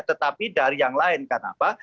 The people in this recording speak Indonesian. tetapi dari yang lain kenapa